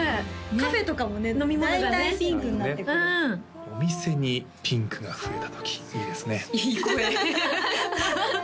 カフェとかもね大体ピンクになってくるお店にピンクが増えた時いいですねいい声ハハハ